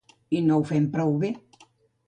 I no ho fem prou bé.